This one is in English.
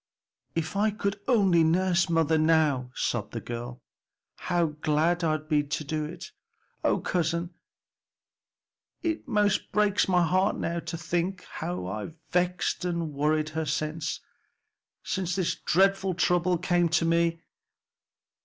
"If I could only nurse mother now," sobbed the girl, "how glad I'd be to do it. O cousin, it most breaks my heart now to think how I've vexed and worried her since since this dreadful trouble came to me.